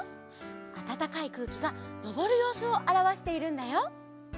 あたたかいくうきがのぼるようすをあらわしているんだよ。